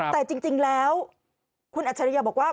แต่จริงแล้วคุณอัจฉริยะบอกว่า